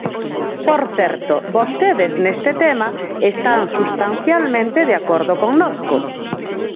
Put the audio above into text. Por certo, vostedes neste tema están substancialmente de acordo connosco.